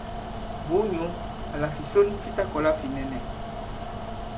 Bùu nyǔ àlà fìson fi ta-kɔ̀la là fi nɛnɛ.